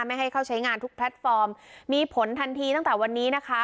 ไม่ให้เข้าใช้งานทุกแพลตฟอร์มมีผลทันทีตั้งแต่วันนี้นะคะ